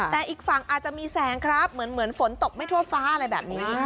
แต่อีกฝั่งอาจจะมีแสงครับเหมือนฝนตกไม่ทั่วฟ้าอะไรแบบนี้